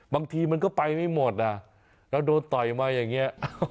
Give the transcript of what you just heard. บางทีมันก็ไปไม่หมดอ่ะแล้วโดนต่อยมาอย่างนี้